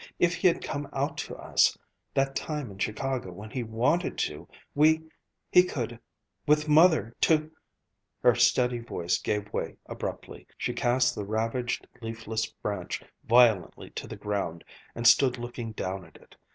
If he had come out to us, that time in Chicago when he wanted to we he could with Mother to " Her steady voice gave way abruptly. She cast the ravaged, leafless branch violently to the ground and stood looking down at it.